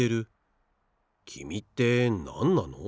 きみってなんなの？